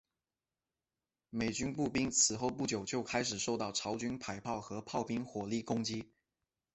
美军步兵此后不久就开始受到朝军迫炮和炮兵火力攻击。